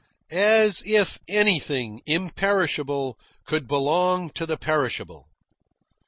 As if anything imperishable could belong to the perishable!